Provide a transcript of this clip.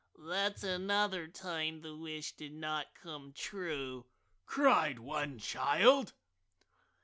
"That's another time the wish did not come true!" cried one child.